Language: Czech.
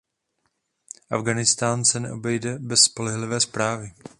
Afghánistán se neobejde bez spolehlivé správy.